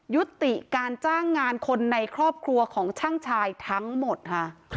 ยุติการจ้างงานคนในครอบครัวของช่างชายทั้งหมดค่ะ